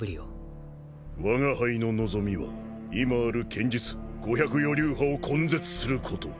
わが輩の望みは今ある剣術五百余流派を根絶すること。